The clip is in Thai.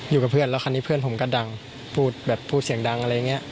อยู่กับเพื่อนแล้วคราวนี้เพื่อนผมก็ดังพูดแบบพูดเสียงดังอะไรอย่างนี้